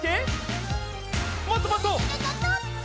もっともっと！